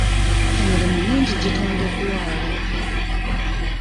Emirimu mingi gitondeddwawo.